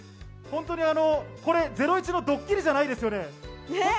本当に『ゼロイチ』のドッキリじゃないですよね？